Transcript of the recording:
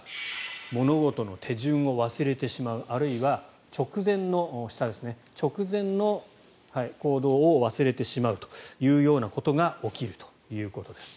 物事の手順を忘れてしまうあるいは直前の行動を忘れてしまうというようなことが起きるということです。